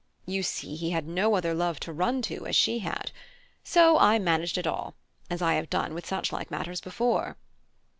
You see, he had no other love to run to, as she had. So I managed it all; as I have done with such like matters before."